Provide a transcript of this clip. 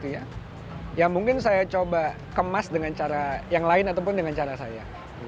ya mungkin saya coba kemas dengan cara yang lain ataupun dengan cara saya